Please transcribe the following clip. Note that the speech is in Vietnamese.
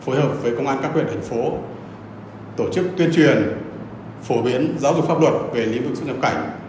phối hợp với công an các huyện thành phố tổ chức tuyên truyền phổ biến giáo dục pháp luật về lĩnh vực xuất nhập cảnh